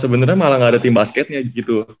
sebenarnya malah gak ada tim basketnya gitu